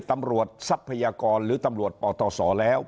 ตำรวจทรัพยากรหรือตำรวจปตสแล้ว